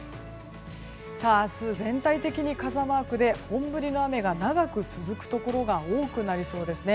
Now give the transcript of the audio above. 明日は全体的に傘マークで本降りの雨が長く続くところが多くなりそうですね。